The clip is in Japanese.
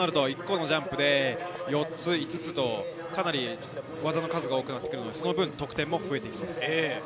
そうなると、１個のジャンプで、４つ、５つとかなり技の数が多くなってくるので、その分、得点も高くなります。